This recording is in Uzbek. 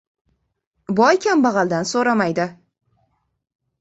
• Boy kambag‘aldan so‘ramaydi.